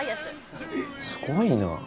すごいな。